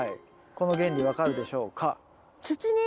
この原理分かるでしょうか？